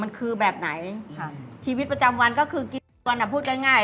มันคือแบบไหนใช่ชีวิตประจำวันก็คือกินก่อนอ่ะพูดง่าย